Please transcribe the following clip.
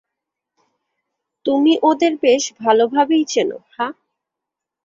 তুমি ওদের বেশ ভালোভাবেই চেনো, হাহ?